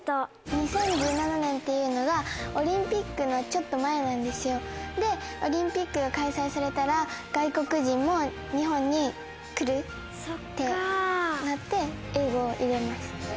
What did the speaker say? ２０１７年っていうのがオリンピックのちょっと前なんですよ。でオリンピックが開催されたら外国人も日本に来るってなって英語を入れました。